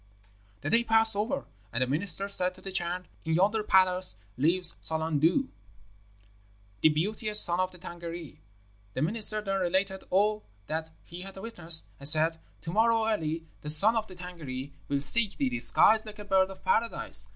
"The day passed over, and the minister said to the Chan, 'In yonder palace lives Solangdu, the beauteous son of the Tângâri.' The minister then related all that he had witnessed, and said, 'To morrow early the son of the Tângâri will seek thee, disguised like a bird of Paradise.